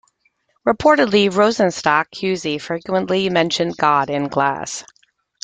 Reportedly, Rosenstock-Huessy frequently mentioned God in class.